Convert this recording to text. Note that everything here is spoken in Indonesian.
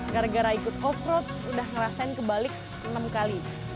gara gara ikut offroad udah ngerasain kebalik enam kali